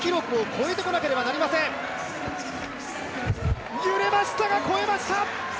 揺れましたが、越えました！